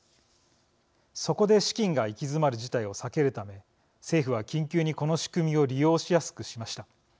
そこで資金が行き詰まる事態を避けるため政府は緊急にこの仕組みを利用しやすくしました。